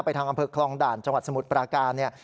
ทางอำเภอคลองด่านจังหวัดสมุทรปราการเนี่ย